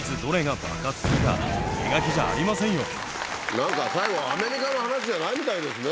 何か最後はアメリカの話じゃないみたいですね。